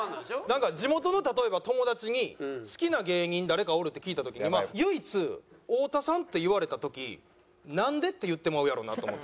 なんか地元の例えば友達に「好きな芸人誰かおる？」って聞いた時に唯一「太田さん」って言われた時「なんで？」って言ってまうやろうなと思って。